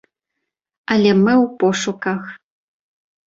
Але мы ў пошуках.